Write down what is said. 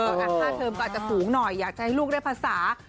ว่าจักราคาเทิมก็อาจจะสูงหน่อยอยากใช้ลูกได้ภาษา